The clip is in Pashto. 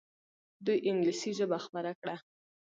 دوی انګلیسي ژبه خپره کړه.